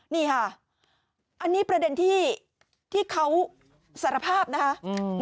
นี่ฮะอันนี้ประเด็นที่ที่เขาสารภาพนะฮะอืม